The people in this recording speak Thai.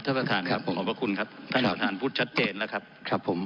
ท่านประธานครับผมขอบพระคุณครับท่านประธานพูดชัดเจนแล้วครับครับผม